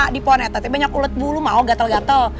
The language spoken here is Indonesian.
di pohon eta banyak ulet bulu mau gatel gatel